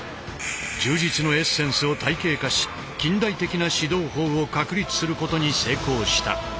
柔術のエッセンスを体系化し近代的な指導法を確立することに成功した。